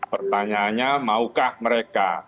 pertanyaannya maukah mereka